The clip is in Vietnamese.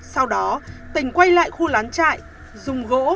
sau đó tỉnh quay lại khu lán trại dùng gỗ